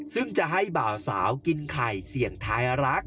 ซึ่งจะให้บ่าวสาวกินไข่เสี่ยงท้ายรัก